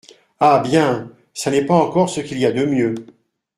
Ah ! bien, ça n'est pas encore ce qu'il y a de mieux.